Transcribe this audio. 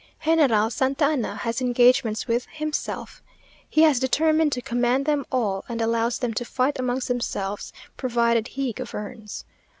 General Santa Anna has engagements with himself. He has determined to command them all, and allows them to fight amongst themselves, provided he governs.